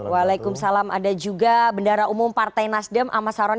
waalaikumsalam ada juga bendara umum partai nasdem amasaroni